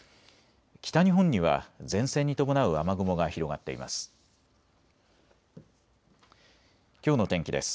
北日本には前線に伴う雨雲が広がっています。